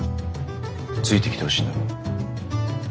ついてきてほしいんだろ？